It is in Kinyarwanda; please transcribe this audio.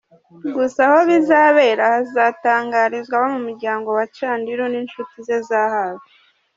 Gusa aho bizabera hazatangarizwa abo mu muryango wa Chandiru n’inshuti ze za hafi.